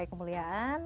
apa yang ada di dalamnya